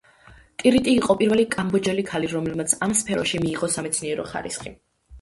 ტირიტი იყო პირველი კამბოჯელი ქალი, რომელმაც ამ სფეროში მიიღო სამეცნიერო ხარისხი.